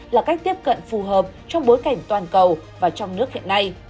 là cách tiếp cận phù hợp trong bối cảnh toàn cầu và trong nước hiện nay